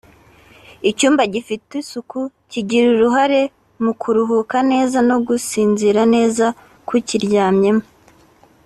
icyumba gifite isuku kigira uruhare mu kuruhuka neza no gusinzira neza k’ukiryamyemo